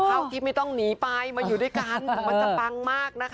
เท่าที่ไม่ต้องหนีไปมาอยู่ด้วยกันมันจะปังมากนะคะ